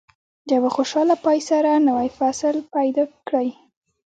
د یوه خوشاله پای سره نوی فصل پیل کړئ.